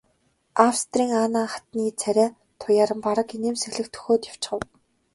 Австрийн Анна хатны царай туяаран бараг инээмсэглэх дөхөөд явчихав.